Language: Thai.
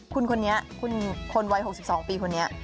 คุณคนไว้๖๒ปีคนนี้